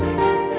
saya mau ke sana